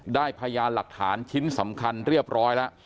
พยานหลักฐานชิ้นสำคัญเรียบร้อยแล้ว